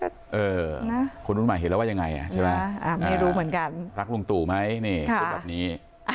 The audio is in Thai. รักลุงตู่ไหมนี่คุณแบบนี้